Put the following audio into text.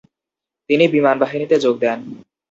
তিনি বিমানবাহিনীতে যোগ দেন।